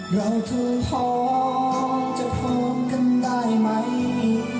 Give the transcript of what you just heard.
เราทุกคนจะพบกันได้ไหม